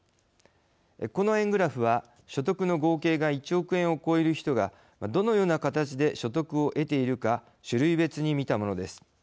この円グラフは所得の合計が１億円を超える人がどのような形で所得を得ているか種類別に見たものです。